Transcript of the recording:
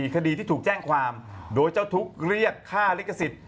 คดีที่ถูกแจ้งความโดยเจ้าทุกข์เรียกค่าลิขสิทธิ